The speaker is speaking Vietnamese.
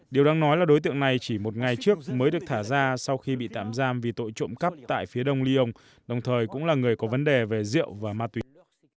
điều đáng nói là đối tượng này chỉ một ngày trước mới được thả ra sau khi bị tạm giam vì tội trộm cắp tại phía đông lyon đồng thời cũng là người có vấn đề về rượu và ma túy